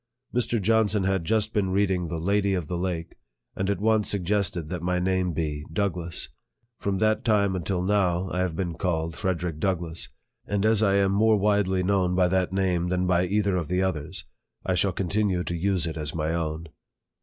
Mr. Johnson had just been reading the " Lady of the Lake," and at once suggested that rny name be " Douglass." From that time until now I have been called " Frederick Doug lass ;" and as I am more widely known by that name than by either of the others, I shall continue to use it as my own.